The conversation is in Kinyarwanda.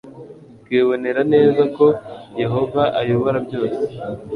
twibonera neza ko yehova ayobora byose